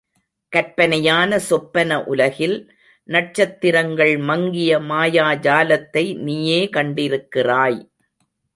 கற்பனையான சொப்பன உலகில் நட்சத்திரங்கள் மங்கிய மாயாஜாலத்தை நீயே கண்டிருக்கிறாய்.